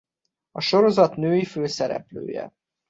A sorozat női főszereplője.